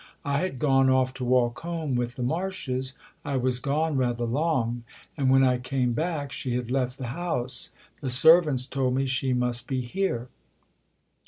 I had gone off to walk home with the Marshes 1 was gone rather long; and when I came back she had left the house the servants told me she must be here."